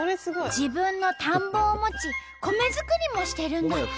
自分の田んぼを持ち米作りもしてるんだって。